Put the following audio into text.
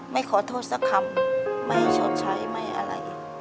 ไม่ขอโทษสักคำไม่ชดใช้ไม่อะไร